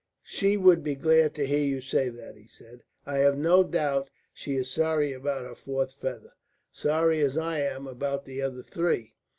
"She would be glad to hear you say that," he said. "I have no doubt she is sorry about her fourth feather, sorry as I am about the other three."